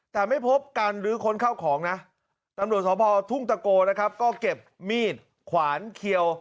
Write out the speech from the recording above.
แต่ไม่พบการลื้อค้นเข้าของนะตำรวจสภทุ่งตะโกนะครับก็เก็บมีดขวานเขียว